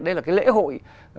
đấy là cái lễ hội